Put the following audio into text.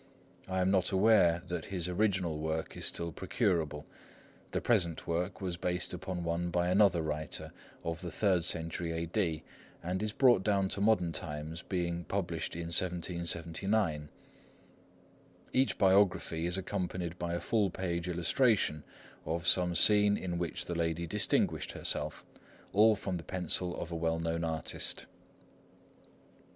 I am not aware that his original work is still procurable; the present work was based upon one by another writer, of the third century A.D., and is brought down to modern times, being published in 1779. Each biography is accompanied by a full page illustration of some scene in which the lady distinguished herself,—all from the pencil of a well known artist.